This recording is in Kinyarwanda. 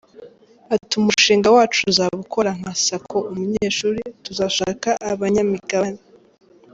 Ati “Umushinga wacu uzaba ukora nka ‘Sacco Umunyeshuri’, tuzashaka abanyamigabane.